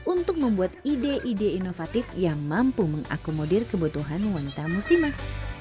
untuk membuat ide ide inovatif yang mampu mengakomodir kebutuhan wanita muslimah